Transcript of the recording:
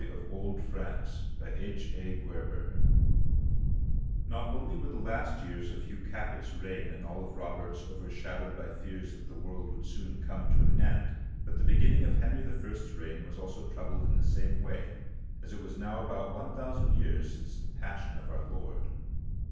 THE WEALTH OF THE CLERGY NOT only were the last years of Hugh Capet's reign and all of Robert's overshadowed by fears that the world would soon come to an end, but the beginning of Henry L's reign was also troubled in the same way, as it was now about one thousand years since the Passion of our Lord.